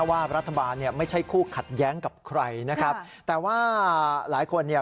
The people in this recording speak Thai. ว่ารัฐบาลเนี่ยไม่ใช่คู่ขัดแย้งกับใครนะครับแต่ว่าหลายคนเนี่ย